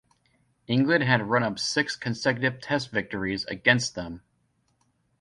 England had run up six consecutive Test victories against them.